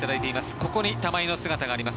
ここに玉井の姿があります。